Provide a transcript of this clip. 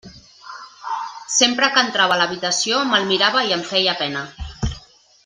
Sempre que entrava a l'habitació me'l mirava i em feia pena.